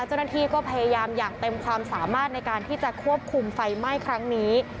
เจ้าหน้าที่ก็พยายามอย่างเต็มความสามารถในการที่จะควบคุมไฟไหม้ครั้งนี้